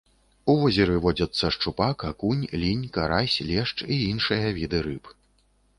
У возеры водзяцца шчупак, акунь, лінь, карась, лешч і іншыя віды рыб.